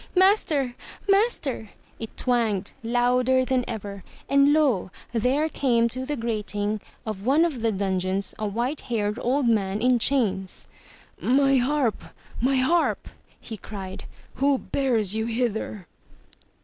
"Master! Master!" it twanged louder than ever, and lo there came to the grating of one of the dungeons a white haired old man in chains. "My harp! My Harp!" he cried. "Who bears you hither?"